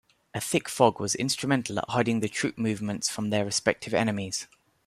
A thick fog was instrumental at hiding the troop movements from their respective enemies.